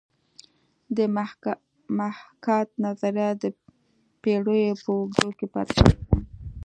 د محاکات نظریه د پیړیو په اوږدو کې پاتې شوې ده